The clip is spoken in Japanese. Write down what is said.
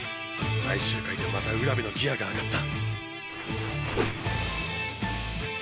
最終回でまた卜部のギアが上がった！